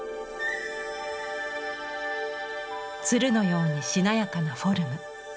鶴のようにしなやかなフォルム。